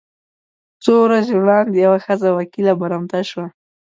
څو ورځې وړاندې یوه ښځه وکیله برمته شوه.